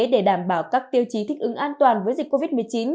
để đảm bảo các tiêu chí thích ứng an toàn với dịch covid một mươi chín